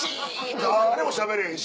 誰もしゃべれへんし。